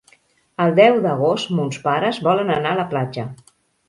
El deu d'agost mons pares volen anar a la platja.